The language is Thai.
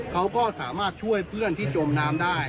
เขาก็สามารถช่วยเพื่อนที่จมน้ำได้